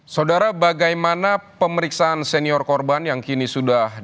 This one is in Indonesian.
saudara bagaimana pemeriksaan senior korban yang kini sudah dilakukan